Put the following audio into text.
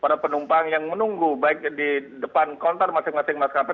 para penumpang yang menunggu baik di depan kontor masing masing maskapai